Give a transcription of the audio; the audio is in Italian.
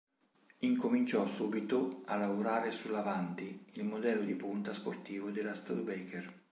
Incominciò subito a lavorare sull'Avanti, il modello di punta sportivo della Studebaker.